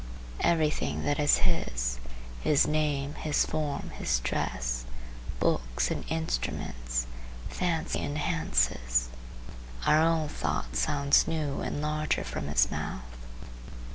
Every thing that is his,—his name, his form, his dress, books and instruments,—fancy enhances. Our own thought sounds new and larger from his mouth.